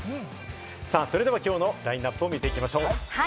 それでは今日のラインナップを見ていきましょう。